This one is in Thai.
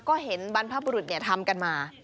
ก็เห็นบรรพบุรุษทำกันมา